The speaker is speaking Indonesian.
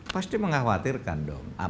pasti mengkhawatirkan dong